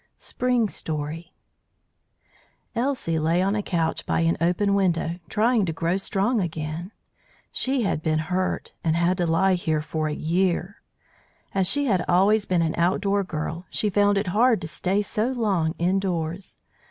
SPRING STORY Elsie lay on a couch by an open window, trying to grow strong again. She had been hurt, and had to lie here for a year. As she had always been an outdoor girl she found it hard to stay so long indoors.